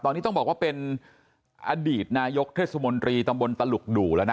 ตอนนี้ต้องบอกว่าเป็นอดีตนายกเทศมนตรีตำบลตลุกดู่แล้วนะ